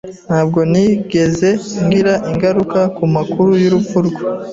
Ntabwo nigeze ngira ingaruka ku makuru y'urupfu rwe.